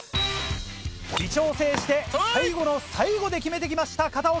微調整して最後の最後で決めてきました片岡